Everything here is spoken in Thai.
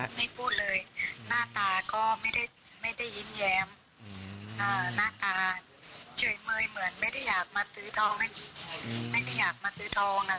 ไม่พูดเลยหน้าตาก็ไม่ได้ยิ้มแย้มหน้าตาเฉยเมยเหมือนไม่ได้อยากมาซื้อทอง